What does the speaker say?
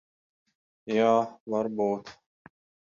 Jā, varbūt.